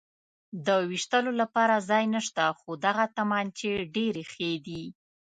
د وېشتلو لپاره ځای نشته، خو دغه تومانچې ډېرې ښې دي.